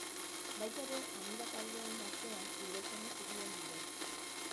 Baita ere amida taldeen artean, hidrogeno zubien bidez.